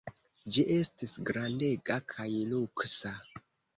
Ĝi estis grandega kaj luksa.